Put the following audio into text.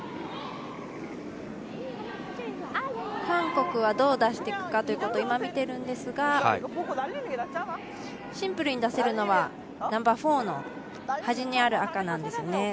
韓国はどう出していくかということを今見ているんですがシンプルに出せるのはナンバーフォーのはじにある赤なんですね。